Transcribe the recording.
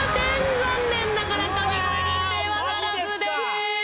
残念ながら神声認定はならずです。